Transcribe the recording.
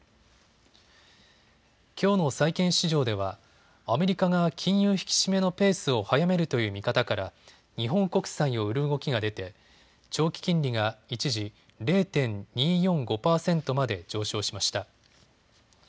きょうの債券市場ではアメリカが金融引き締めのペースを速めるという見方から日本国債を売る動きが出て長期金利が一時、０．２４５％まで上昇しました。